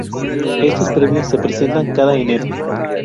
Estos premios se presentan cada enero.